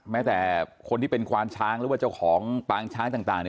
แม้แต่คนที่เป็นควานช้างหรือว่าเจ้าของปางช้างต่าง